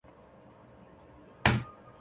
乡政府驻地在下宫村。